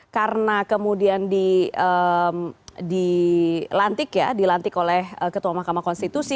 karena kemudian dilantik ya dilantik oleh ketua mahkamah konstitusi